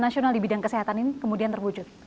nasional di bidang kesehatan ini kemudian terwujud